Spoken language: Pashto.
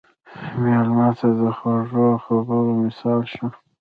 مېلمه ته د خوږو خبرو مثال شه.